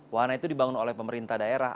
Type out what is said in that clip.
wahana itu dibangun oleh pemerintah daerah